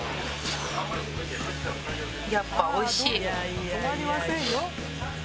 やっぱ美味しい。